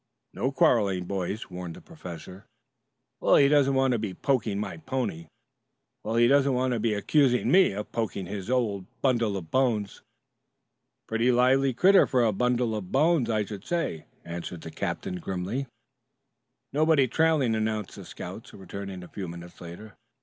"No quarreling, boys," warned the professor. "Well, he doesn't want to be poking my pony!" "Well, he doesn't want to be accusing me of poking his old bundle of bones." "Pretty lively critter for a bundle of bones, I should say," answered the captain grimly. "Nobody trailing," announced the scouts returning a few minutes later.